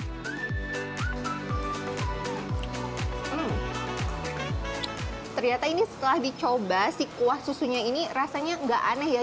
hmm ternyata ini setelah dicoba si kuah susunya ini rasanya nggak aneh ya